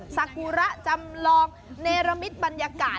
สากุระจำลองเนรมิตบรรยากาศ